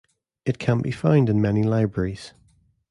It can be found in many Libraries.